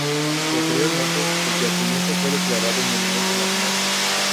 Posteriormente, el yacimiento fue declarado monumento nacional.